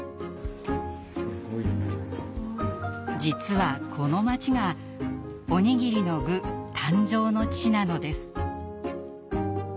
実はこの街が「おにぎりの具」誕生の地なのです。